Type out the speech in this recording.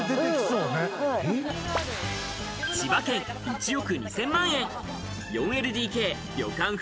千葉県、１億２０００万円。